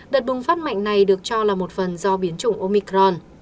đợt bùng phát mạnh này được cho là một phần do biến chủng omicron